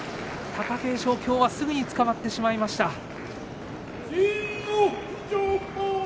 貴景勝はきょうは、すぐにつかまってしまいました。